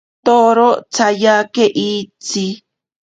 Toro tsatyake itsi.